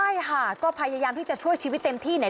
ใช่ค่ะก็พยายามที่จะช่วยชีวิตเต็มที่เนี่ย